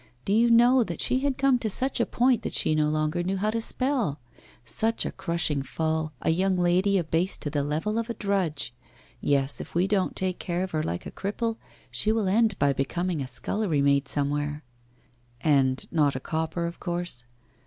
Do you know that she had come to such a point that she no longer knew how to spell. Such a crushing fall, a young lady abased to the level of a drudge! Yes, if we don't take care of her like a cripple, she will end by becoming a scullery maid somewhere.' 'And not a copper, of course?